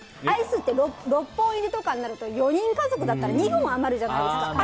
アイスって６本入りとかになると４人家族だったら２本余るじゃないですか。